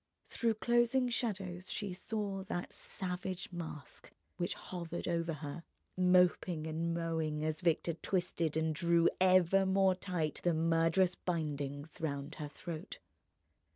Through closing shadows she saw that savage mask which hovered over her, moping and mowing, as Victor twisted and drew ever more tight the murderous bindings round her throat.